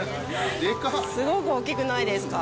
すごく大きくないですか。